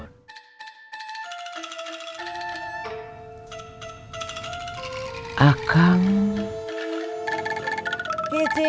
dibangun atau kau mi sit